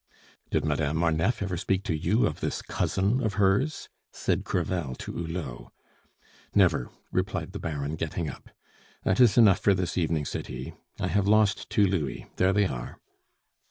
"Did Madame Marneffe ever speak to you of this cousin of hers?" said Crevel to Hulot. "Never!" replied the Baron, getting up. "That is enough for this evening," said he. "I have lost two louis there they are."